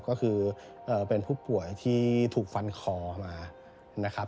ก็คือเป็นผู้ป่วยที่ถูกฟันคอมานะครับ